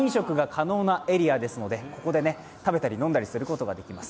こちら、飲食が可能なエリアですのでここで食べたり飲んだりすることができます。